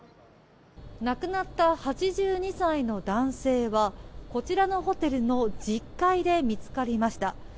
亡くなった８２歳の男性はこちらのホテルの１０階で見つかりました。